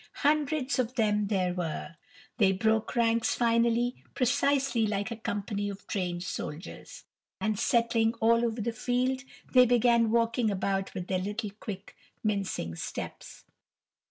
Hundreds of them there were. They broke ranks finally, precisely like a company of trained soldiers, and settling all over the field, they began walking about with their little, quick, mincing steps.